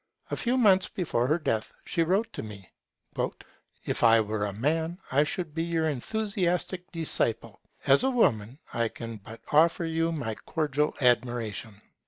A few months before her death, she wrote to me: 'If I were a man, I should be your enthusiastic disciple; as a woman, I can but offer you my cordial admiration'.